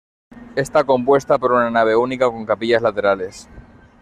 Está compuesta por una nave única con capillas laterales.